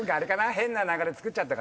変な流れつくっちゃったかな。